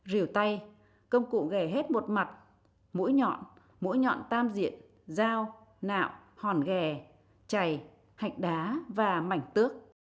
rìu tay công cụ ghẻ hết một mặt